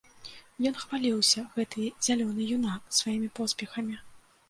Ён хваліўся, гэты зялёны юнак, сваімі поспехамі.